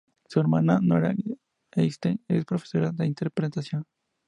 Su hermana, Nora Eckstein, es profesora de interpretación.